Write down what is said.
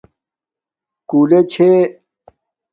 کولے چھے